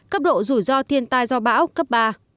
cấp độ rủi ro thiên tai do bão cấp ba